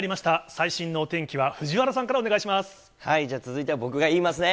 最新のお天気は藤原さんからお願続いては僕が言いますね。